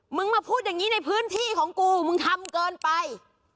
มึงมาพูดอย่างนี้ในพื้นที่ของกูมึงทำเกินไป